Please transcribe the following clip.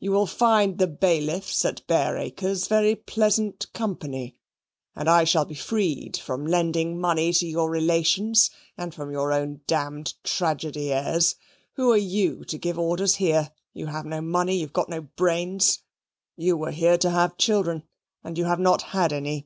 You will find the bailiffs at Bareacres very pleasant company, and I shall be freed from lending money to your relations and from your own damned tragedy airs. Who are you to give orders here? You have no money. You've got no brains. You were here to have children, and you have not had any.